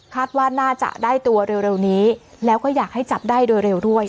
ว่าน่าจะได้ตัวเร็วนี้แล้วก็อยากให้จับได้โดยเร็วด้วยค่ะ